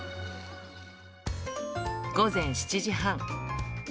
午前７時半。